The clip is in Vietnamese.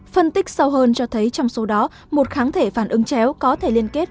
phân tích sâu hơn cho thấy trong số đó một kháng thể phản ứng chéo có thể liên kết